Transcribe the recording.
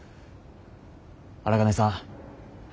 荒金さん。